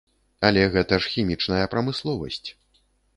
Але гэта ж хімічная прамысловасць.